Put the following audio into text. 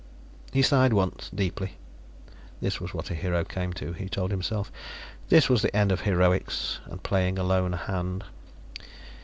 He sighed once, deeply. This was what a hero came to, he told himself. This was the end of heroics and playing a lone hand.